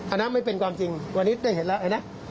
อันนั้นไม่เป็นความจริงวันนี้ได้เห็นแล้วไอ้นะ